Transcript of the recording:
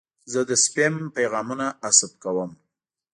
زه د سپیم پیغامونه حذف کوم.